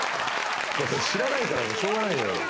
知らないからしょうがないんだよ。